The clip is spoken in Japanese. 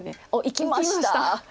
いきました。